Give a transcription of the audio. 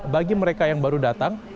bagi mereka yang baru datang